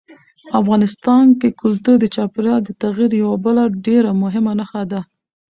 افغانستان کې کلتور د چاپېریال د تغیر یوه بله ډېره مهمه نښه ده.